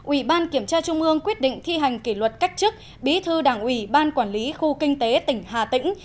ủy ban kiểm tra trung ương quyết định thi hành kỷ luật cách chức bí thư đảng ủy ban quản lý khu kinh tế tỉnh hà tĩnh